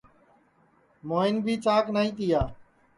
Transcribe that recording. موھن بھی چاک نائی تیا